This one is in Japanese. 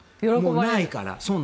ないから。